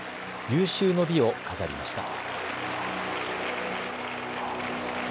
有終の美を飾りました。